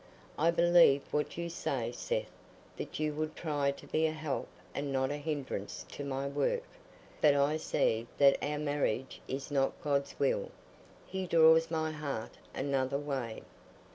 I believe what you say, Seth, that you would try to be a help and not a hindrance to my work; but I see that our marriage is not God's will—He draws my heart another way.